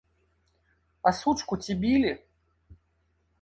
А сучку ці білі?